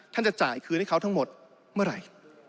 จะจ่ายคืนให้เขาทั้งหมดเมื่อไหร่